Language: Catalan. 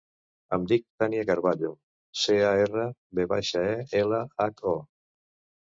Em dic Tània Carvalho: ce, a, erra, ve baixa, a, ela, hac, o.